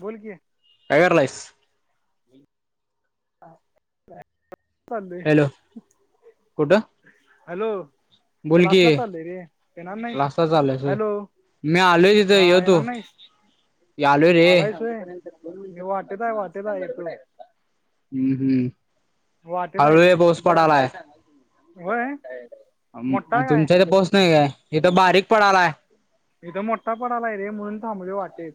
बोल कि काय करायलास? हं.. चालोय हॅलो कुठं हॅलो!.. बोल क्लास की ला चाललंय रे.. येणार नाहीस क्लासला चालू आहेस होय हॅलो! मी आलोय तिथं हा.. ये तू येणार नाहीस? आलोय रे आलायस व्हय.. मी वाटेतय.. वाटेत आहेय येतो. हम्म.. हम्म.. वाटेत आहे हळू रे ये पाऊस बरा पडालय. होय मोठा ह्म्म्.. काय तुमच्या इथ पाऊस नाही काय? इथ बारीक पडालय. इथं मोठा पडलाय रे.. म्हणून थांबलोय वाटेेत.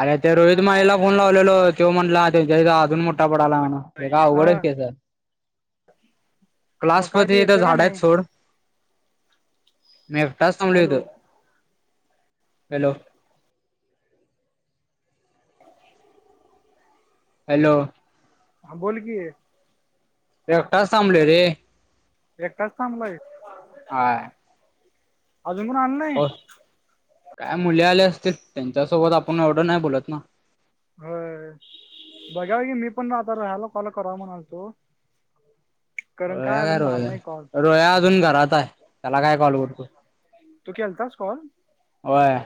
अरे त्या रोहित मानेला फोन लावलेलो त्यो म्हटला त्याज्या आईला अजून मग पडला म्हण.. हे काय अवघडच हा आहे की ह्याज [inaudible] ते क्लासमध्ये इथं येतं का झाड आहेत नाही सोड मी एकटा थांबलो इथ.. हॅलो हॅलो! हॅलो! हा.. बोल की एकटाच थांबलोय रे एकटाच थांबलाय हाय अजून कोण आलं नाही? पाऊस काय मुली आल्या असतील त्यांच्यासोबत आपुण एवढं नाही बोलत ना. होय बघा की मी पण आता राहाला कॉल करा म्हणालतो. रोया काय झाला रोया नाही कॉल रोया अजून घरात आहे त्याला काय कॉल करतो? तास कॉल होय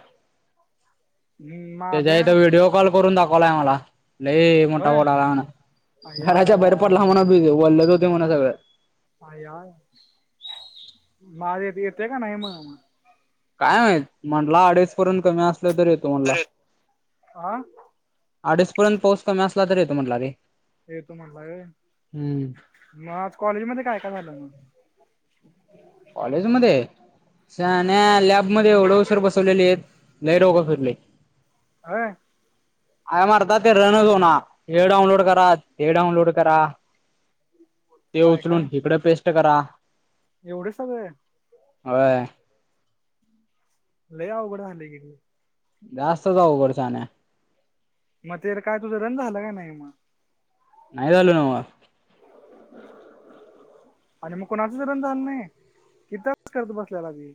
हम्म. त्याच्या इथं व्हिडिओ कॉल करून दाखवलाय आम्हाला. लय मोठा होय मोठा राना आय आय घराच्या आय बाहेर पडला म्हण आय [unintelligible] ओलंच होत म्हण सगळं. आइयाय माझ्यात येते का नाही म्हणा. काय माहित म्हटलं अडीच पर्यंत कमी असलं तर येतो म्हणला. आ अडीच पर्यंत पाऊस कमी असला तर येतो म्हटला रे. येतो म्हणाला व्हय हम्म म आज कॉलेज मध्ये काय-काय झालं मग? कॉलेज मध्ये शहाण्या लॅबमध्ये एढं उशीर बसवलेलेत लय डोकं फिरले. आय अरे मर्दा ते रनच होना हे डाऊनलोड करा ते डाऊउनलोड करा ते उचलून हिकडं पेस्ट करा. एवढ सगळे होय. लय अवघडं झालं की. जास्तच अवघड शहाण्या. म तेर काय तुझं रन झालं का नाही मग? नाही झालं नव्हं. हं आणि मग कुणाचच रन झालं नाही इथंच करत बसल्याला ती.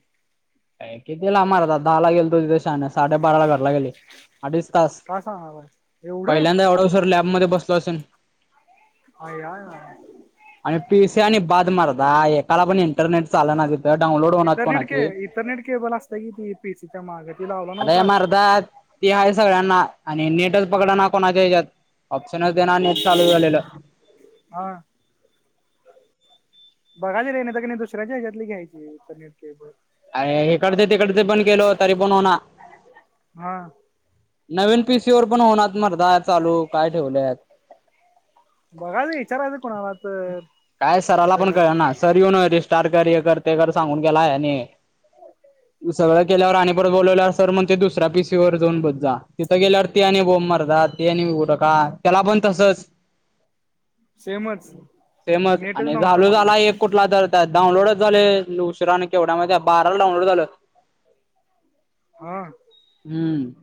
काय कितीला मर्दा आता दहाला गेलतो तिथं शहाण्या साडे बारा ला घरला गेले. अडीच तास काय सांगावं एवढं पहिल्यांदा एवढा उशीर लॅबमध्ये बसलो असेन. आईया आणि पी सी आणि बाद मर्दा एकाला पण इंटरनेट चालना बी. इंटरनेट के इंटरनेट केबल असतं की ती पी सी च्या मागं ती लावला आता हे नव्हता. मारदा ते आहे सगळ्यांना आणि नेटच पकडं ना कोणाच्या ह्याच्यात ऑप्शनच देणा नेट चालू झालेलं. हा. बघायच रेंज येत की नाही दुसऱ्याच्या ह्याच्यातली घ्यायची इंटरनेट केबल. आया हिकडचं तिकडचं बंद केलो तरी पण हो ना. हा. नवीन पी सी वर पण होणात मर्दा चालू काय ठेवले आहेत. बघायच की विचारायचं कुणाला तर काय सराला पण तिथं. कळ ना सर येऊन रिस्टार कर हे कर ते कर सांगून गेलाय आणि हे सगळं केल्यावर आणि परत बोलवल्या सर म्हणते दुसऱ्यां पी सी वर जाऊन बस जा. तिथं गेल्यावर ते आणि बोबं मर्दा तेने उडका त्याला पण तसच सेमच सेमच नेटच आणि नव्हतं झालो म्हणाव झाला एक कुठला तर त्यात डाऊनलोडच झाले उशिराने केवढ्या माहित आहे बाराला डाऊनलोड झालं. हं हा. हम्म.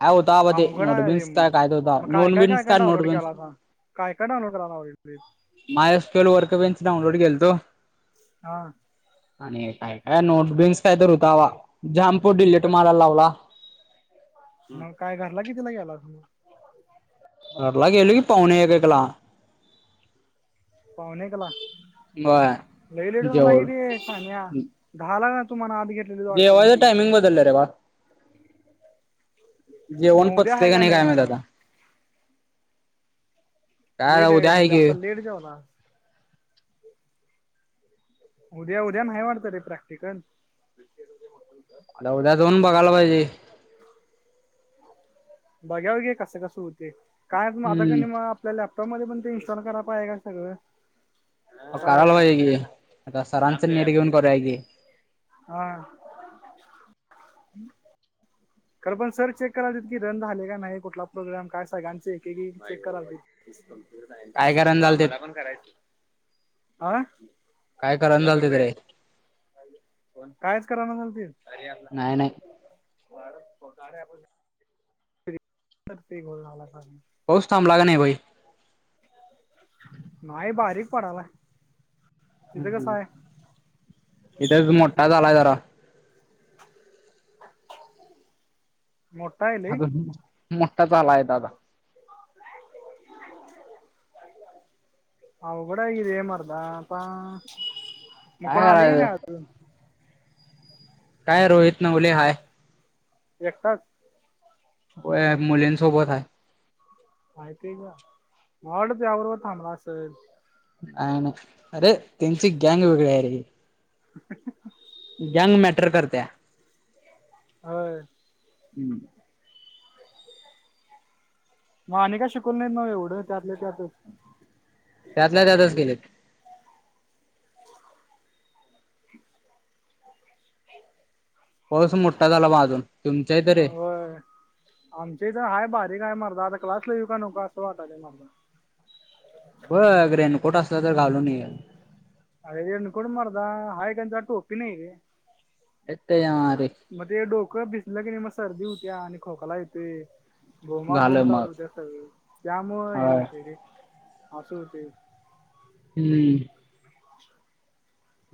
काय होता बा ते अवघड आहे रे नोटबिन्स मग काय काय होता मग काय काय काय नोटबिन्स काय डाउनलोड नोटबिन्स केलासा? काय -काय डाऊनलोड कराव लागेल ते मायहेस्टाईल वर्क बें डाऊलोड केलतो. हा आणि काय -काय नोटबिन्स काय तर होतावा.. जम्पफूट डिलीट मग मारायला लावला. मग काय घरला कितीला गेलात? घरला गेलो की पावणे एक.. एकला पावणे एकला, होय लय लेट झाला की जेवण बे.. शहाण्या दहाला जातो म्हण आत घेत- जेवायच टायमिंग बदलय रे बा जेवण मग उद्या पचतय आहे का नाही काय माहित आता काय आता लेट उद्या घरी आहे गेला की असल लेट जेवला. उद्या.. उद्या.. नाही वाटतं रे प्रॅक्टिकल आता उद्या जाऊन बघायला पाहिजे. बघाव की कसं.. कसं होतय, काय मागायचं [inaudible] हम्म आता आप- त्या लॅपटॉप मध्ये पण ते इन्स्टॉल कराय पाहिजे का रे सगळं काय करायला पाहिजे की.. त्या सरांचं नेट घेऊन करूया की हा खरं पण सर चेक करायला देत की रन झाले का नाही कुठला प्रोग्रम काय सगळांचे एकेकी चेक करालते. कम्प्युटर काय सायन्स, करायला हा.. चालतेत मला पण करायच.. हा काय करायला लावतात रे कायच करा ना झालती. नाही नाही तक्ते गोल लावला का? पाऊस थांबला का नाही बई नाही बारीक पडायल. ह्.. ह.. इथेच मोठा झालाय जरा मोठा आहेत. अजून मोठा झालाय दादा अवघड आहे की रे मर्दा.. आ.. ता, मग काय कोण आलय का नाही करायचं अजून? काय रोहित नवले हाय. एकटाच होय मुलींसोबत आहे. माहिती आहे का? मला वाटलं तुझ्याबरोबर थांबला असल. काय नाय, अरे.. त्यांची गॅंग वेगळी आहे रे.. ह्म्म्म.. ह्म्म्म.. गॅंग मॅटर करती या होय हम्म मग आणि काय शिकून नाहीत ना एवढं त्यातले त्यात त्यातल्या त्याातच गेलेत. पाऊस मोठा झाला बग अजून तुमच्या इथं अ.. रे होय आमच्या इथं हाय बारीक हाय मर्दा आता क्लासला येऊ का नको असं वाटाईयलं मर्दा ब.. घ रेनकोट असला तर घालून येत. रेनकोट म.. र्दा हाय त्याला टोपी नई है. हे त्याझ्या मारी. मग ते डोकं भिजलं की नय सर्दी होत्या, खोकला येतोय. बोंबाबोंब झालं मग चालू होतंय सगळे, त्यामुळे हे होय होत आहे रे.. असं होतंय. हम्म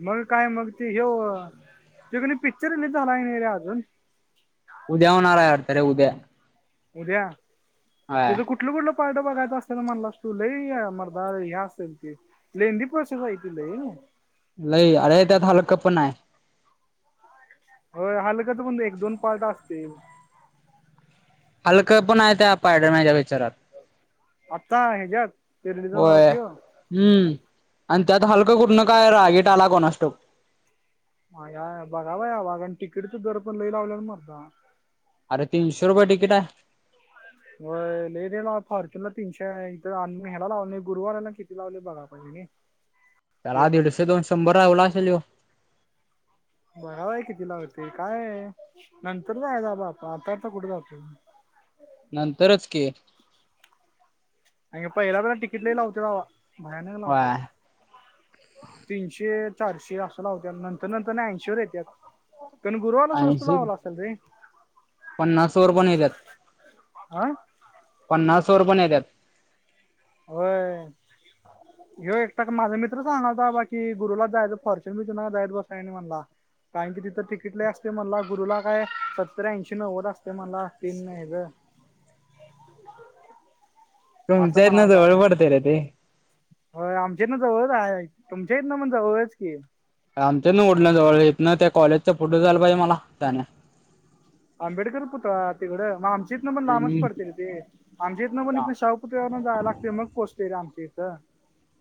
मग काय मग ती ह्यो [unintelligible] पिक्चर रिलीज झालाय रे अजून? उद्या होणार वाटतंय उद्या उद्या.. होय त्याज कुठ कुठलं.. कुठलं.. पार्ट बघायं असेल म्हणलास तू लई या मर्दा हे असेल ते मेंदी पर्सन हाय ती लई लई, अरे हलक पण हाय. होय.. हलकट म्हणे, एक- दोन पार्ट असतेय. हलकं पण आहे त्या स्पायडरमॅन च्या विचारात आता ह्याज्यात होय, हम्म.. आणि त्यात हलकं कुठन काय रागिट आला कोणास ठाऊक. ह.. या.. बघावा या वाघा आणि तिकीटच दर पण लई लावल्या मर्दा. अरे.. तीनशे रुपये तिकीट आहे. व्हय.. लई दिलाव फॉर्च्युनला तीनशे आहे इथ, ह्याला लावले गुरुवाराला किती लावले बघा पाहिजे नई. त्याला दीडशे, दोनशे, शंभर लावला असेल यो. बगाव आहे किती लावले ते, का.. य.. नंतर जायच बा आप आता आता कुठे जातो. नंतरच की पहिला जर टिकीट लय लावतोय भावा.. भयानक लावतोय. होय तीनशे- चारशे असं लावतेत, नंतर.. नंतर.. ऐंशी वर येतेत. पण गुरुवाला स्वस्त ऐंशी लावाला असेल रे. पन्नास वर पण येत्यात. हा पन्नास वर पण येत्यात. होय [inaudible] होय एकता माझा मित्र चांगला की बाबा की गुरुवारला फर्शन जायच बसायने म्हणला. कारण की तिथं तिकीट लय असते मला गुरुला काय सत्तर, र्ऐंशी, नव्वद असते म्हणला, तीन नाही ग असं तुमच्या इथन म्हणालता. जवळ पडते रे ते. होय, आमच्या हितना जवळच आहे, तुमच्यातन पण जवळच की आमच्या हितन कुठलं जवळय, हितना त्या कॉलेजच्या पुुढ जालं पाहिजे मला शहाण्या आंबेडकर पुतळा तिकड.. आमच्या हीतन लांबच पडत रे ते. आमच्या इथनं पण इथ शाहूपुतळा वरन जाय लागते मग पोचतय र आमच्या इथं.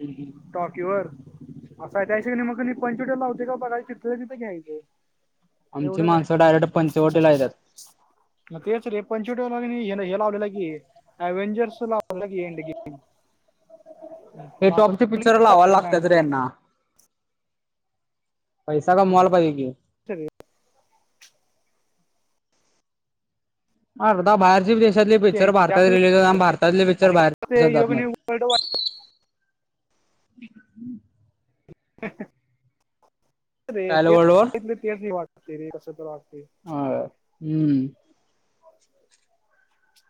हम्म हम्म टॉकीवर.. आता काय काय ठिकाणी मग पॉईंट टू लावते का बघाच तिथल्या तिथं घ्यायचं. आमची एवढं काय. माणसं डायरेक्ट पंचवटीला येत्यात. तेच रे.. पंचवटी हे.. हे.. लावलेलं की अवेंजर्स लावलय एंड गेम हे मी आता टॉपचे पिक्चर लावायला लावले मॅन लागतात रे पण. [unintelligible] यांना पैसा कमवाल पाहिजे की शक. [unintelligible] अर्धा बाहेरची देशातले पिक्चर आहे ते भारतात त्यासाठी रिलीज हो.. ह्.. आणि भारतातले पिक्चर बाहेर देशात जात नाहीत. कडू वाट. [unintelligible] [inaudible] रे काय झालं ते वर्ल्ड वॉर? तेच नाही वाटते रे कसं तर वाटते [inaudible] हा हम्म.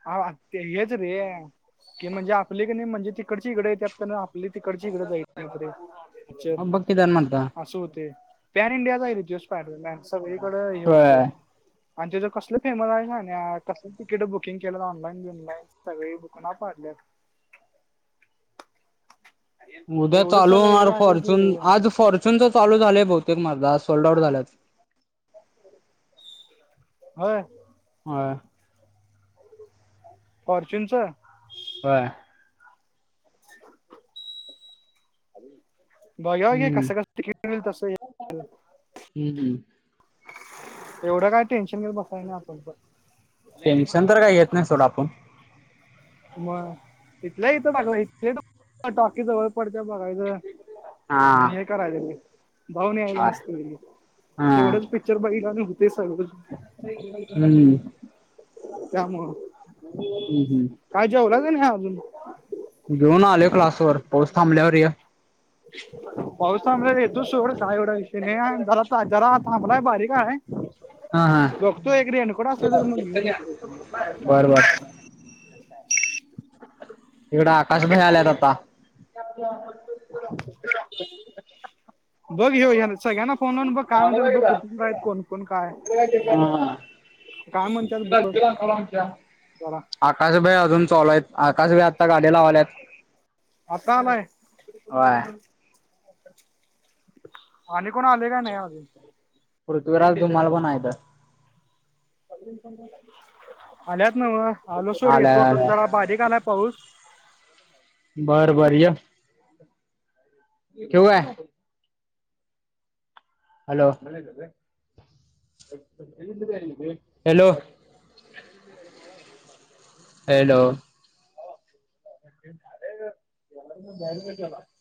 हवा आता येच रे! कि म्हणजे आपली की नाही म्हणजे तिकडची इकडं येतात आपली तीकडची इकडं जात नाही रे! पिक्चर, बघ की जण म्हणता असं होतंय पॅन इंडियाचा हाय रे तो स्पायडरमॅन सगळीकडे हे होतं. होय. आणि तेज कसलं फेमस आहे सह्यन्या आणि कस तिकीट बुक बुकिंग केल्यात तर ऑनलाईन बिनलाईन सगळी बुकना पाडल्यात. उद्या एवढं चालू सगळं हे होणार झालं की फॉर्च्यून आज फॉर्च्यूनच चालू झालंय बहुतेक मर्दा आज सोल्ड आउट झाल्यात. होय. होय [unintelligible] फॉरर्च्यूनच. होय काय बघ्यखव की हम्म कसं कस तिकीट मिळतंय. हम्म ह एवढं काय टेन्शन घेत बसाय नाय आपण पण, टेन्शन तर काही घेत नाही सोड आपण मग इथलं इथं टाकलंयस इ टॉकी जवळ पडत्या बघायचं. हा आणि हे करायच रे भाऊणी याला हा मस्ती तेवढंच पी पिक्चर बघितल्या होतेय [unintelligible] हम्म त्यामुळं. हम्म हम्म काय जेवलास का नाही अजून? घेऊन आलोय क्लासवर पाऊस थांबल्यावर या. पाऊस थांबल्यावर येतो सोड काय एवढा विषय नाही. जरा जरा थांबलाय बारीक आहे. हा हा बघतो एक रेनकोट असला तर मग घेऊन येतो. बरं बरं इकडं आकाश ते भाई [inaudible] आल्यात आता बघ ह्यो ह्यान सगळ्यांनाच. फोन लाऊन बघ काय म्हणतात बघ कुठ कुठ न काय कोण कोण काय. हा काय म्हणत्यात बघ जरा. आकाशभाई अजून चांलूहायत आकाशभाई आता गाडी लावाल्यात, आता आलाय. व्हय आणि कोण आलंय का नाही अजून? पृथ्वीराज धुमाळ पण आहेत. हं [inaudible] आल्यात नंव आलो सोड येतो आल्या आता आल्या जरा बारीक आलाय पाऊस. बर बर इ की. ठेऊ काय. हॅलो! हॅलो! हॅलो! तेला [inaudible]